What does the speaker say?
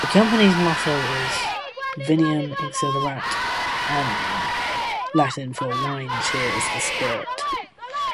The Company's motto is "Vinum Exhilarat Animum", Latin for "Wine Cheers the Spirit".